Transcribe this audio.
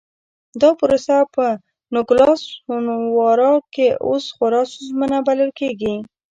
دا پروسه په نوګالس سونورا کې اوس خورا ستونزمنه بلل کېږي.